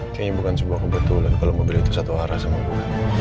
kayaknya bukan sebuah kebetulan kalau mobil itu satu arah sama gue